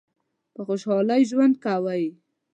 په خوشحالی ژوند کوی؟